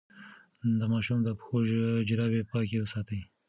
د ماشوم د پښو جرابې پاکې وساتئ.